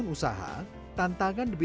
hanya satu suatu sarangmu